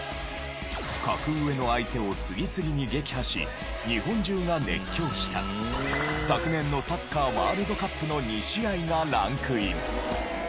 格上の相手を次々に撃破し日本中が熱狂した昨年のサッカーワールドカップの２試合がランクイン。